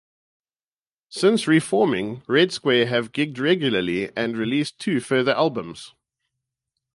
Since reforming Red Square have gigged regularly and released two further albums.